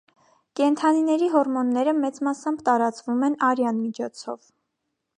Կենդանիների հորմոնները մեծ մասամբ տարածվում են արյան միջոցով։